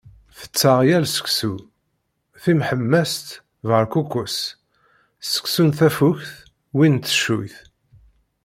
Tetteɣ yal seksu: timḥemmeṣt, berkukes, seksu n tafukt, win n teccuyt...